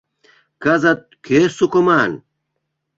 Кызыт кӧ сукыман.